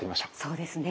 そうですね。